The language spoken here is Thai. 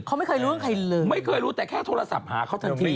เขาไม่เคยรู้เรื่องใครเลยไม่เคยรู้แต่แค่โทรศัพท์หาเขาทันที